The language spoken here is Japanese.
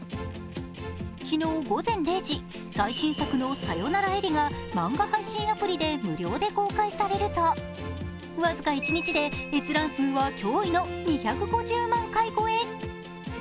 昨日午前０時、最新作の「さよなら絵梨」が漫画配信アプリで無料で公開されると僅か一日で閲覧数は驚異の２５０万回超え。